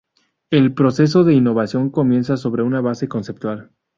El proceso de innovación comienza sobre una base conceptual.